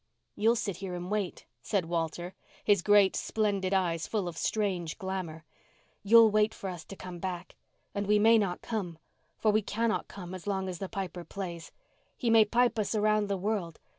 You'll sit here and wait," said Walter, his great, splendid eyes full of strange glamour. "You'll wait for us to come back. And we may not come—for we cannot come as long as the Piper plays. He may pipe us round the world.